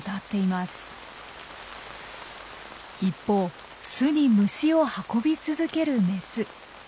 一方巣に虫を運び続けるメス。